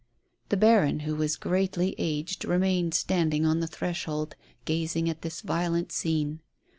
The baron, who was greatly aged, remained standing on the threshold, gazing at this violent scene.